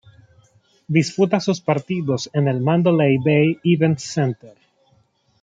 Disputa sus partidos en el Mandalay Bay Events Center.